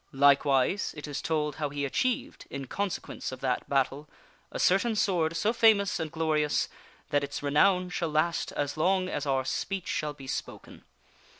Likewise, it is told how he achieved, in consequence of that battle, a certain Sword so famous and glorious that its renown shall last as long as our speech shall be spoken.